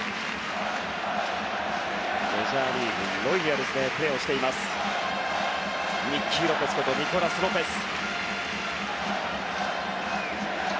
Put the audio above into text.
メジャーリーグロイヤルズでプレーしていますニッキー・ロペスことニコラス・ロペス。